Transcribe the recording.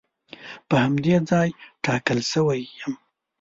په همدې ځای ټاکل شوی یم.